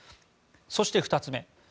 そして、２つ目。